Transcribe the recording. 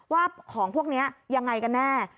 ว่าของพวกนี้ยังไงกันแน่